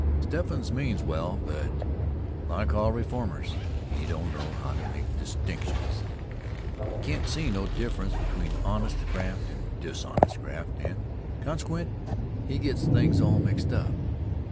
Steffens means well but, like all reformers, he don't know how to make distinctions. He can't see no difference between honest graft and dishonest graft and, consequent, he gets things all mixed up.